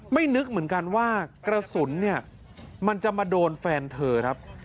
ไม่นึกเหมือนกันว่ากระสุนเนี่ยมันจะมาโดนแฟนเธอครับ